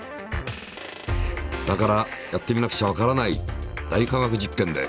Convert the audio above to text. だからやってみなくちゃわからない「大科学実験」で。